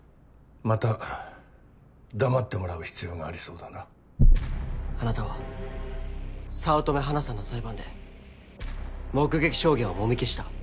また黙ってもらう必要がありそうだなあなたは早乙女花さんの裁判で目撃証言をもみ消した。